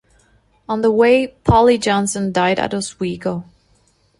On the way, Polly Johnson died at Oswego.